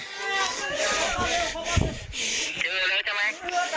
เจอแล้วใช่ไหม